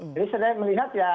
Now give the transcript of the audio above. jadi saya melihat ya